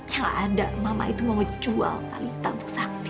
ya gak ada mama itu mau jual talitha untuk sakti